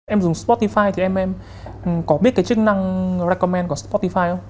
em dùng spotify thì em có biết cái chức năng recommend của spotify không